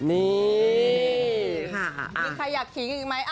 มีใครอยากขี้กันอีกไหม